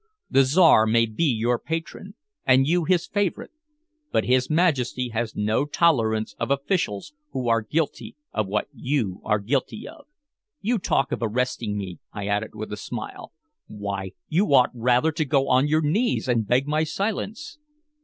The Czar may be your patron, and you his favorite, but his Majesty has no tolerance of officials who are guilty of what you are guilty of. You talk of arresting me!" I added with a smile. "Why, you ought rather to go on your knees and beg my silence."